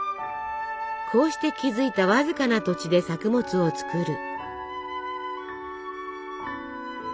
こうして築いたわずかな土地で作物を作る。